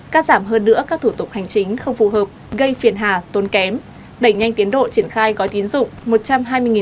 cắt giảm hơn nữa các thủ tục hành chính không phù hợp gây phiền hà tôn kém đẩy nhanh tiến độ triển khai gói tín dụng